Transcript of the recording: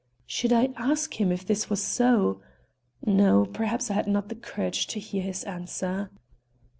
Should I ask him if this was so? No. Perhaps I had not the courage to hear his answer.